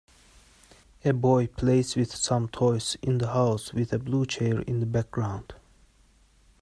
A boy plays with some toys in the house with a blue chair in the background.